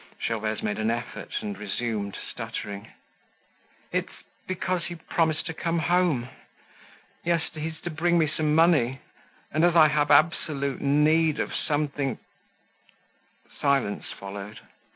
Gervaise made an effort and resumed, stuttering: "It's because he promised to come home. Yes, he's to bring me some money. And as I have absolute need of something—" Silence followed.